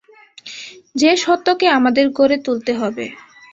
যে সত্যকে আমাদের গড়ে তুলতে হবে।